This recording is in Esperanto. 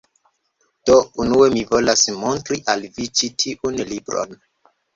Do, unue mi volas montri al vi ĉi tiun libron